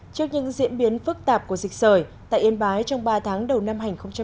trước những diễn biến phức tạp của dịch sợi tại yên bái trong ba tháng đầu năm hai nghìn một mươi chín